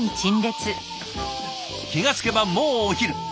気が付けばもうお昼。